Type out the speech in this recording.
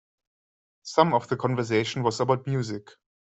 Some of the conversation was about music.